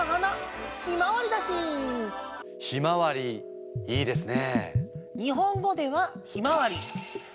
ひまわりいいですね。